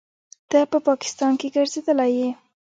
ته په پاکستان کښې ګرځېدلى يې.